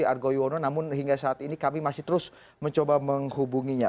argo yuwono namun hingga saat ini kami masih terus mencoba menghubunginya